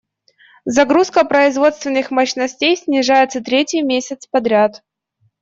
Загрузка производственных мощностей снижается третий месяц подряд.